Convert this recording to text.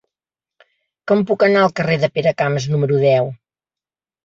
Com puc anar al carrer de Peracamps número deu?